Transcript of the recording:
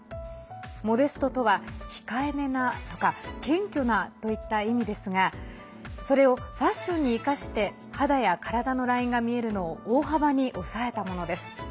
モデストとは、控えめなとか謙虚なといった意味ですがそれをファッションに生かして肌や体のラインが見えるのを大幅に抑えたものです。